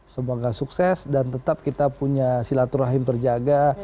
semoga sukses dan tetap kita punya silaturahim terjaga